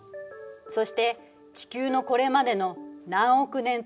そして地球のこれまでの何億年という歴史